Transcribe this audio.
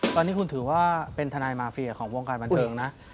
ตอนนี้คุณถือว่าเป็นทนายมาเฟียของวงการบันเทิงนะ